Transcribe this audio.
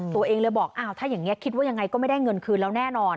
ตัวเองเลยบอกอ้าวถ้าอย่างนี้คิดว่ายังไงก็ไม่ได้เงินคืนแล้วแน่นอน